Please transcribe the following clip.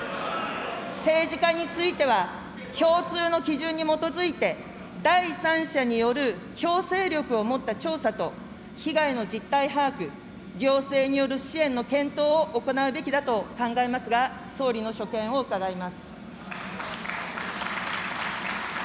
政治家については共通の基準に基づいて第三者による強制力を持った調査と、被害の実態把握、行政による支援の検討を行うべきだと考えますが、総理の所見を伺います。